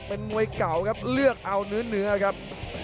เป็นมวยเก่าครับเลือกเอาเนื้อครับ